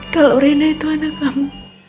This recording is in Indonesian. kalau rina itu anak kamu